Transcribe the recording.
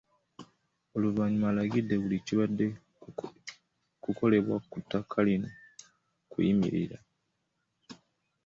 Oluvannyuma alagidde buli kibadde kukolebwa ku ttaka lino okuyimirira